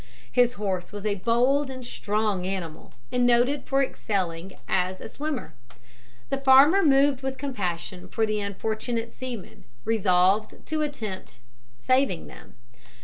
His horse was a bold and strong animal, and noted for excelling as a swimmer. The farmer, moved with compassion for the unfortunate seamen, resolved to attempt saving them.